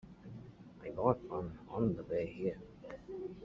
I bought one on the way here.